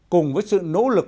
cùng với sự nỗ lực